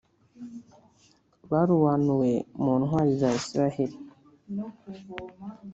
barobanuwe mu ntwari za Israheli;